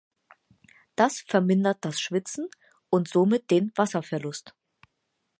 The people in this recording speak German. Das vermindert das Schwitzen und somit den Wasserverlust.